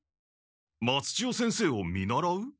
松千代先生を見習う？